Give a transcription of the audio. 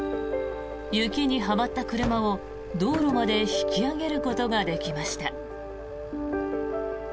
雪にはまった車を、道路まで引き上げることができました。